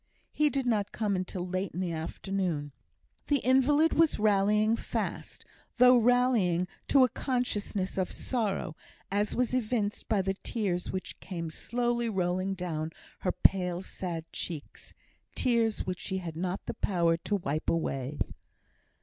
He did not come until late in the afternoon. The invalid was rallying fast, though rallying to a consciousness of sorrow, as was evinced by the tears which came slowly rolling down her pale sad cheeks tears which she had not the power to wipe away.